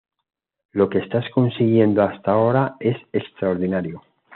Lo que estás consiguiendo hasta ahora ya es extraordinario.